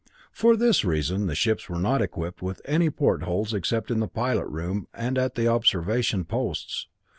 For this reason the ships were not equipped with any portholes except in the pilot room and at the observation posts.